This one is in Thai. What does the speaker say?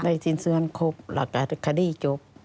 ได้ชิ้นส่วนครบแล้วก็คดีจบ